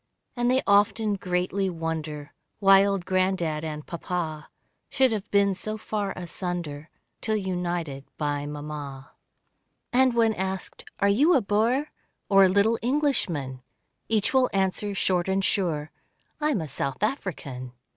And they often greatly wonder Why old granddad and Papa, Should have been so far asunder, Till united by mamma. And when asked, "Are you a Boer. Or a little Englishman?" Each will answer, short and sure, "I am a South African."